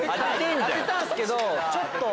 当てたんすけどちょっと。